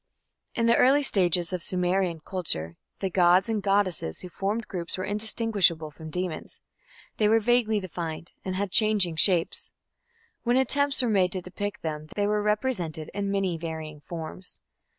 In the early stages of Sumerian culture, the gods and goddesses who formed groups were indistinguishable from demons. They were vaguely defined, and had changing shapes. When attempts were made to depict them they were represented in many varying forms.